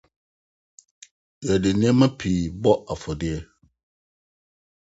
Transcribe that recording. Yɛde nneɛma pii bɔ afɔre.